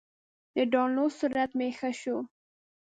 د ډاونلوډ سرعت مې ښه شو.